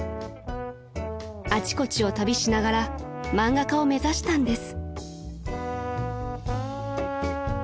［あちこちを旅しながら漫画家を目指したんです］